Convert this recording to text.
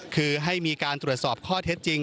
คือให้มีการตรวจสอบข้อเท็จจริง